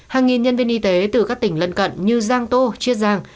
hàng nghìn nhân viên y tế từ các tỉnh lân cận như giang tô chiết giang